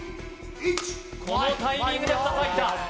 このタイミングで２つ入った！